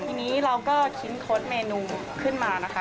ทีนี้เราก็คิดคดเมนูขึ้นมานะคะ